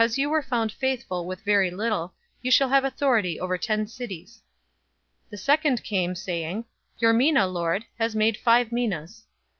Because you were found faithful with very little, you shall have authority over ten cities.' 019:018 "The second came, saying, 'Your mina, Lord, has made five minas.'